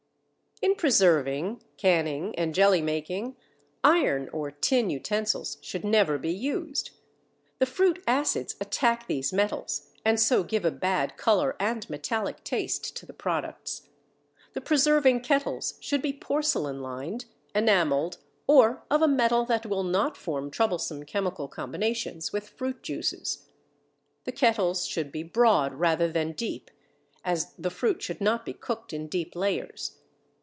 In preserving, canning, and jelly making iron or tin utensils should never be used. The fruit acids attack these metals and so give a bad color and metallic taste to the products. The preserving kettles should be porcelain lined, enameled, or of a metal that will not form troublesome chemical combinations with fruit juices. The kettles should be broad rather than deep, as the fruit should not be cooked in deep layers.